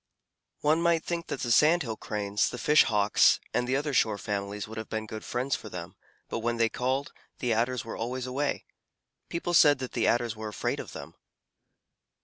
One might think that the Sand Hill Cranes, the Fish Hawks, and the other shore families would have been good friends for them, but when they called, the Adders were always away. People said that the Adders were afraid of them.